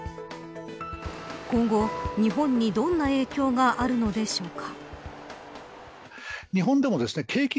今後、日本にどんな影響があるのでしょうか。